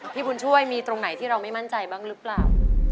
พี่บุญช่วยมีตรงไหนที่เราไม่มั่นใจบ้างหรือเปล่า